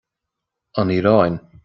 An Iaráin